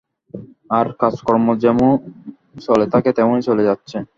আর কাজ-কর্ম যেমন চলে থাকে, তেমনই চলে যাচ্ছে।